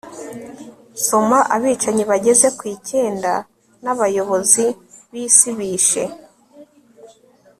soma abicanyi bagera ku icyenda n'abayobozi b'isi bishe